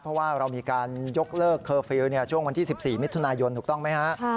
เพราะว่าเรามีการยกเลิกเคอร์ฟิลล์ช่วงวันที่๑๔มิถุนายนถูกต้องไหมฮะ